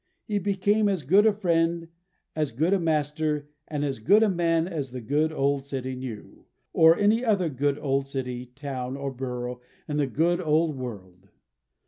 He became as good a friend, as good a master, and as good a man as the good old city knew, or any other good old city, town, or borough, in the good old world.